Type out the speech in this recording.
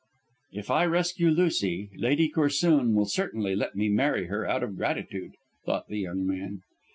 "If I rescue Lucy, Lady Corsoon will certainly let me marry her out of gratitude," thought the young man.